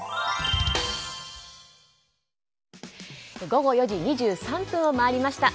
午後４時２３分を回りました。